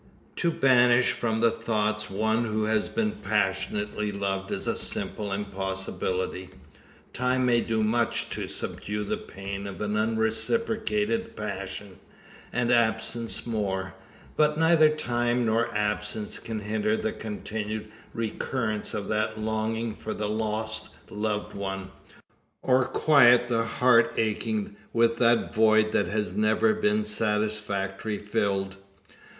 To banish from the thoughts one who has been passionately loved is a simple impossibility. Time may do much to subdue the pain of an unreciprocated passion, and absence more. But neither time, nor absence, can hinder the continued recurrence of that longing for the lost loved one or quiet the heart aching with that void that has never been satisfactorily filled.